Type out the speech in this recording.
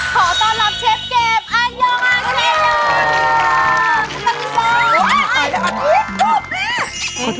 ขอต้อนรับเชฟเกมอายองอาเชฟ